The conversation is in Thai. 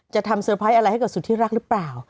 จะทำเซอร์ไพรส์อะไรให้กับสุดที่รักหรือเปล่า